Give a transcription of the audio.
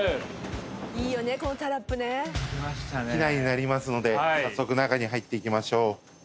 機内になりますので早速中に入っていきましょう。